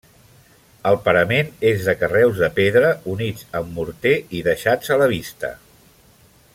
El parament és de carreus de pedra units amb morter i deixats a la vista.